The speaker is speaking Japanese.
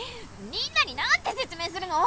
みんなになんてせつ明するの？